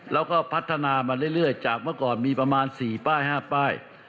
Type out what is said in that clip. แล้วก็พัฒนามาเรื่อยจากเมื่อก่อนมีประมาณ๔ป้าย๕ป้าย